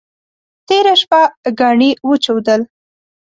تېره شپه ګاڼي وچودل.